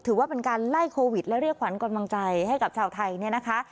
ถือว่าเป็นการไล่โควิดและเรียกขวัญกำลังใจให้กับชาวไทยเนี่ยนะคะ